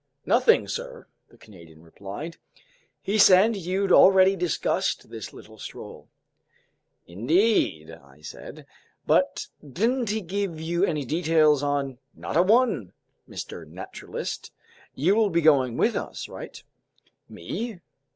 "Nothing, sir," the Canadian replied. "He said you'd already discussed this little stroll." "Indeed," I said. "But didn't he give you any details on—" "Not a one, Mr. Naturalist. You will be going with us, right?" "Me?